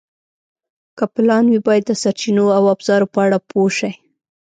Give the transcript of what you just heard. که پلان وي، باید د سرچینو او ابزارو په اړه پوه شئ.